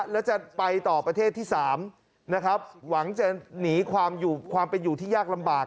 แล้วจะไปต่อประเทศที่๓นะครับหวังจะหนีความเป็นอยู่ที่ยากลำบาก